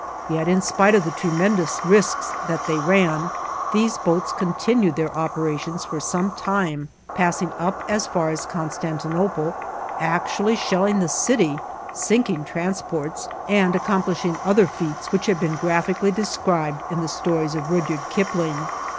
Yet, in spite of the tremendous risks that they ran, these boats continued their operations for some time, passing up as far as Constantinople, actually shelling the city, sinking transports, and accomplishing other feats which have been graphically described in the stories of Rudyard Kipling.